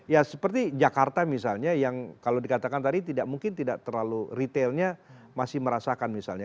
ya seperti jakarta misalnya yang kalau dikatakan tadi tidak mungkin tidak terlalu retailnya masih merasakan misalnya